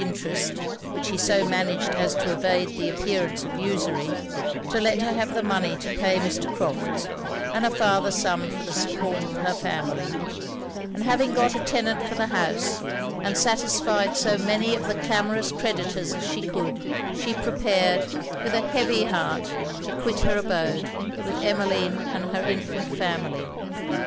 interest, (which he so managed as to evade the appearance of usury,) to let her have the money to pay Mr. Crofts, and a farther sum for the support of her family: and having got a tenant for the house, and satisfied as many of the clamorous creditors as she could, she prepared, with a heavy heart, to quit her abode, with Emmeline and her infant family.